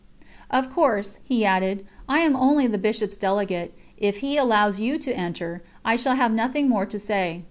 "Of course," he added, "I am only the Bishop's delegate; if he allows you to enter, I shall have nothing more to say."